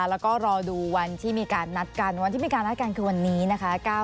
แล้วก็รอดูวันที่มีการนัดกันวันที่มีการนัดกันคือวันนี้นะคะ